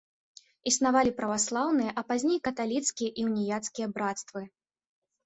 Існавалі праваслаўныя, а пазней каталіцкія і уніяцкія брацтвы.